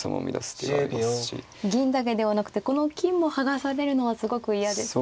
銀だけではなくてこの金も剥がされるのはすごく嫌ですね。